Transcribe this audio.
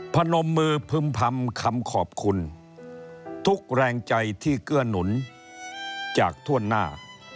พนมมือพึ่มพำคำขอบคุณทุกแรงใจที่เกื้อหนุนจากถ้วนหน้า